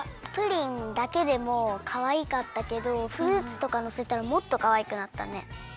プリンだけでもかわいかったけどフルーツとかのせたらもっとかわいくなったね。